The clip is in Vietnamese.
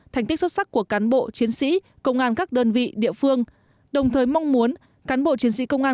thành tích xuất sắc của cán bộ chiến sĩ công an các đơn vị địa phương đồng thời mong muốn cán bộ chiến sĩ công an